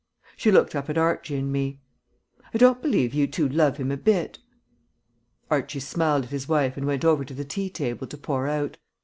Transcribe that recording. She looked up at Archie and me. "I don't believe you two love him a bit." Archie smiled at his wife and went over to the tea table to pour out.